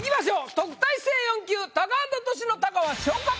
特待生４級タカアンドトシのタカは。